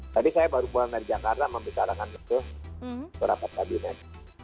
tadi saya baru pulang dari jakarta memutarakan itu ke rapat kabinet